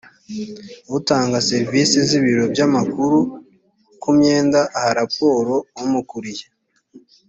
utanga serivisi z’ibiro by’amakuru ku myenda aha raporo umukuriye